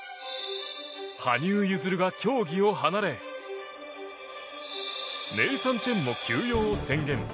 羽生結弦が競技を離れネイサン・チェンも休養を宣言。